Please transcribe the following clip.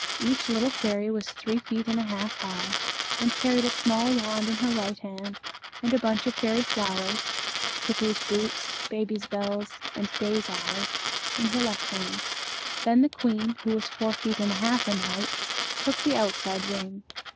Each little fairy was three feet and a half high, and carried a small wand in her right hand, and a bunch of fairy flowers cuckoo's boots, baby's bells, and day's eyes in her left hand. Then the queen, who was four feet and a half in height, took the outside ring.